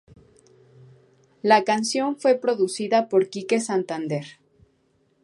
La canción fue producida por Kike Santander.